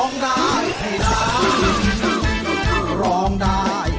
คือร้องได้ไอ้ล้าง